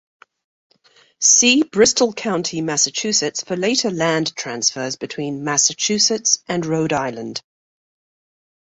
See Bristol County, Massachusetts for later land transfers between Massachusetts and Rhode Island.